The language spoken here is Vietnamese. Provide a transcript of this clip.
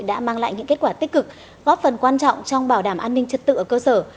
đã mang lại những kết quả tích cực góp phần quan trọng trong bảo đảm an ninh trật tự ở cơ sở